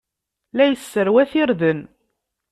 La yesserwat irden.